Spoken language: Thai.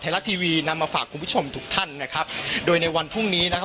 รัฐทีวีนำมาฝากคุณผู้ชมทุกท่านนะครับโดยในวันพรุ่งนี้นะครับ